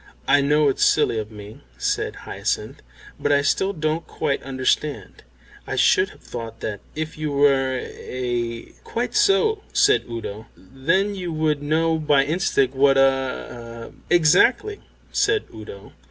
"I know it's silly of me," said Hyacinth, "but I still don't quite understand. I should have thought that if you were a a " "Quite so," said Udo. " then you would have known by instinct what a a " "Exactly," said Udo.